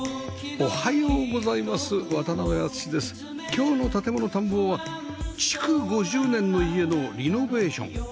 今日の『建もの探訪』は築５０年の家のリノベーション